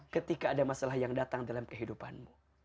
ketika ada masalah yang datang dalam kehidupanmu